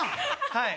はい。